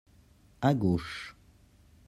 À gauche.